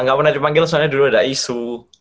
nggak pernah dipanggil soalnya dulu ada isu